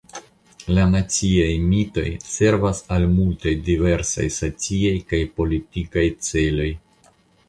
La naciaj mitoj servas al multaj diversaj sociaj kaj politikaj celoj.